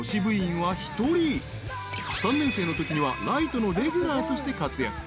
［３年生のときにはライトのレギュラーとして活躍］